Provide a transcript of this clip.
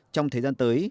trong thời gian tới